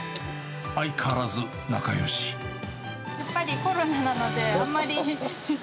で、やっぱりコロナなので、あんまり。